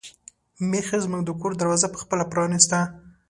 میښې زموږ د کور دروازه په خپله پرانیسته.